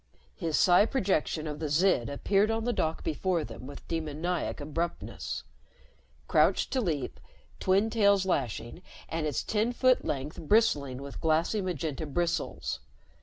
His psi projection of the Zid appeared on the dock before them with demoniac abruptness crouched to leap, twin tails lashing and its ten foot length bristling with glassy magenta bristles.